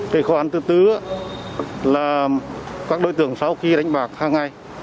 thì khó khăn thứ tư là các đối tượng sau khi đánh bạc hàng ngày